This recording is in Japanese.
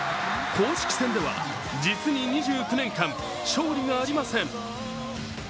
公式戦では実に２９年間、勝利がありません。